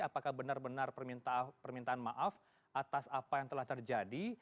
apakah benar benar permintaan maaf atas apa yang telah terjadi